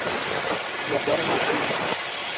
مقدار مجهول